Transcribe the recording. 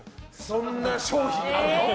そんな商品あるの？